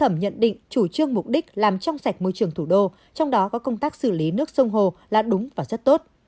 môi trường thủ đô trong đó có công tác xử lý nước sông hồ là đúng và rất tốt